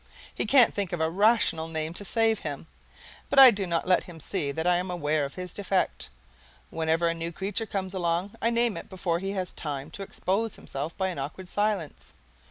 He can't think of a rational name to save him, but I do not let him see that I am aware of his defect. Whenever a new creature comes along I name it before he has time to expose himself by an awkward silence.